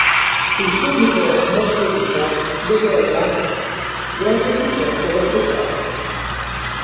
Il pubblico moscovita decreta grande successo allo spettacolo.